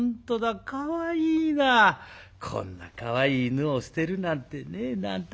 こんなかわいい犬を捨てるなんてねなんて